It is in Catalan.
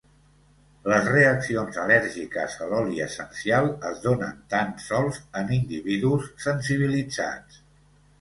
Les reaccions al·lèrgiques a l'oli essencial es donen tan sols en individus sensibilitzats.